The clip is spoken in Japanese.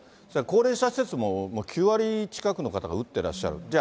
それから高齢者施設も９割近くの方が打ってらっしゃる。